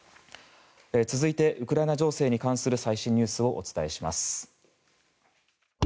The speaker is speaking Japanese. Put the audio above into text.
続いて、ウクライナ情勢に関する最新ニュースをお伝えします。